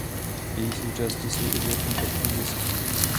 Její součástí jsou i dva kompaktní disky.